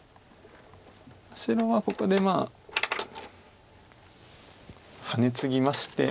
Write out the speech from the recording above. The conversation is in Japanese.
白はここでハネツギまして。